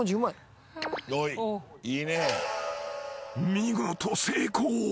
［見事成功］